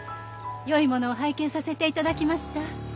よいものを拝見させていただきました。